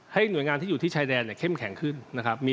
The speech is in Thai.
หน่วยงานที่อยู่ที่ชายแดนเนี่ยเข้มแข็งขึ้นนะครับ